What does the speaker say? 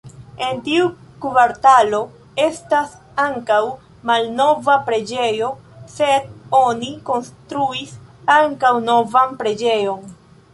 En tiu kvartalo estas ankaŭ malnova preĝejo, sed oni konstruis ankaŭ novan preĝejon.